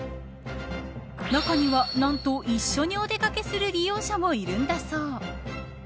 中には何と、一緒にお出掛けする利用者もいるんだそう。